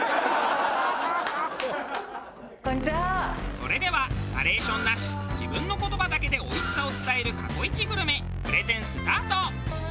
それではナレーションなし自分の言葉だけでおいしさを伝える過去イチグルメプレゼンスタート！